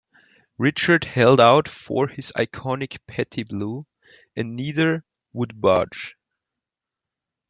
Richard held out for his iconic Petty blue, and neither would budge.